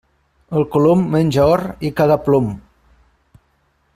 El colom menja or i caga plom.